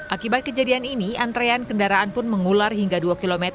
akibat kejadian ini antrean kendaraan pun mengular hingga dua km